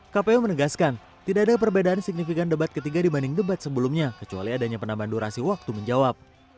kpu menegaskan tidak ada perbedaan signifikan debat ketiga dibanding debat sebelumnya kecuali adanya penambahan durasi waktu menjawab